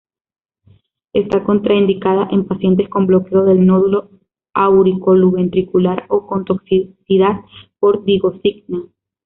Está contraindicada en pacientes con bloqueo del nódulo auriculoventricular o con toxicidad por digoxina.